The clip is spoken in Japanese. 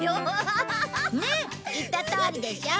言ったとおりでしょ？